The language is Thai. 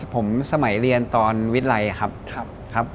ผมสมัยเรียนตอนวิรัยครับ